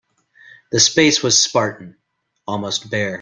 The space was spartan, almost bare.